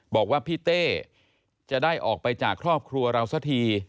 บอกว่าพี่เต้จะได้ออกไปจากครอบครัวเราสักที